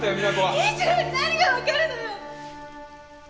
輝一郎に何が分かるのよ！！